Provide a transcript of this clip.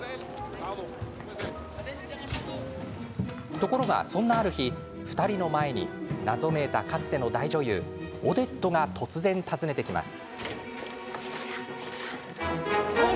ところが、そんなある日２人の前に謎めいた、かつての大女優オデットが突然、訪ねてきます。